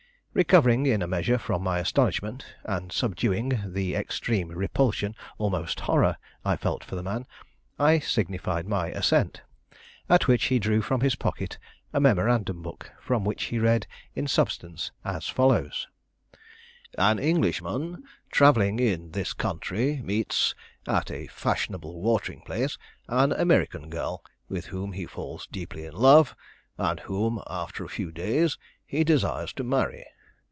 Recovering in a measure from my astonishment, and subduing the extreme repulsion, almost horror, I felt for the man, I signified my assent; at which he drew from his pocket a memorandum book from which he read in substance as follows: "An Englishman travelling in this country meets, at a fashionable watering place, an American girl, with whom he falls deeply in love, and whom, after a few days, he desires to marry.